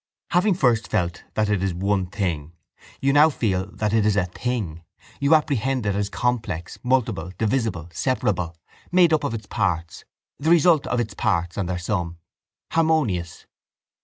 Having first felt that it is one thing you feel now that it is a thing. You apprehend it as complex, multiple, divisible, separable, made up of its parts, the result of its parts and their sum, harmonious.